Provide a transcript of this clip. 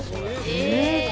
え！？